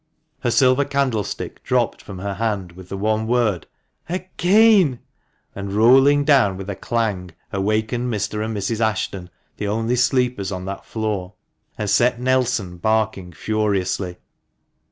Her silver candlestick dropped from her hand, with the one word " Again !" and rolling down with a clang, awakened Mr. and Mrs. Ashton, the only sleepers on that floor, and set Nelson barking furiously.